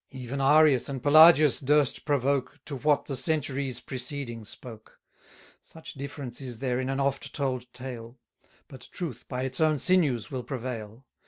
Even Arius and Pelagius durst provoke To what the centuries preceding spoke. Such difference is there in an oft told tale: But Truth by its own sinews will prevail.